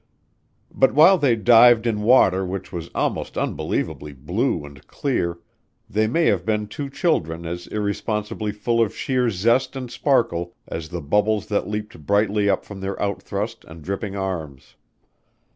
But while they dived in water which was almost unbelievably blue and clear, they might have been two children as irresponsibly full of sheer zest and sparkle as the bubbles that leaped brightly up from their out thrust and dripping arms.